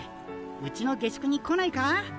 うちの下宿に来ないか？